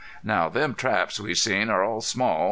Now, them traps we seen are all small.